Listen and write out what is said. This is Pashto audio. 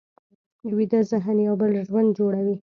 ویده ذهن یو بل ژوند جوړوي